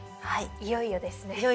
はいいよいよですね。